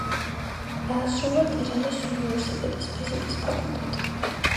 დაასრულა ტირანის უნივერსიტეტის ფიზიკის ფაკულტეტი.